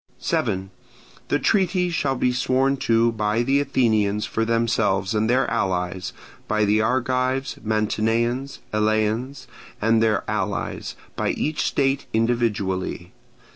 7. The treaty shall be sworn to by the Athenians for themselves and their allies, by the Argives, Mantineans, Eleans, and their allies, by each state individually.